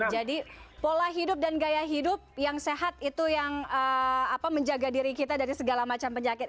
jadi pola hidup dan gaya hidup yang sehat itu yang menjaga diri kita dari segala macam penyakit